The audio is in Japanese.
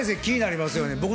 気になりますよね。